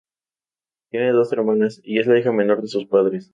Ella tiene dos hermanas y es la hija menor de sus padres.